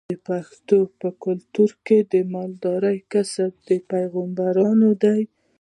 د پښتنو په کلتور کې د مالدارۍ کسب د پیغمبرانو دی.